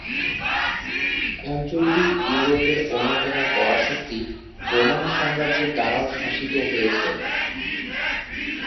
অঞ্চলটি ইউরোপের অন্যতম পরাশক্তি রোমান সাম্রাজ্যের দ্বারাও শাসিত হয়েছে।